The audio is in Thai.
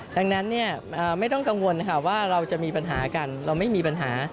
ดังนั้นไม่ต้องกังวลค่ะว่าเราจะมีปัญหากันเราไม่มีปัญหา